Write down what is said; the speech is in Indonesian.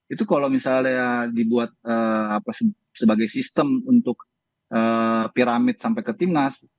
itu kalau misalnya dibuat sebagai sistem untuk piramid sampai ke timnas